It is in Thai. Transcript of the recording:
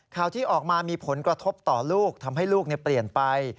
ข่าวที่ออกมามีผลกระทบต่อลูกทำให้ลูกเปลี่ยนไป